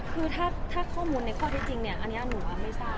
คือถ้าถ้าข้อมูลในข้อในจริงเนี้ยอันนี้อ่านหนูว่าไม่สร้า